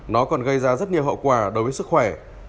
nó còn gây ra rất nhiều hậu quả đối với sức khỏe